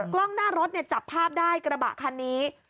กล้องหน้ารถจับภาพได้กระบะคันนี้